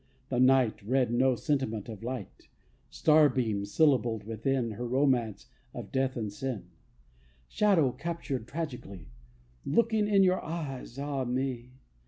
The night Read no sentiment of light, Starbeam syllabled, within Her romance of death and sin, Shadow chaptered tragicly. Looking in your eyes, ah me!